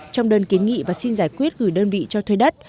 trong đơn kiến nghị và xin giải quyết gửi đơn vị cho thuê đất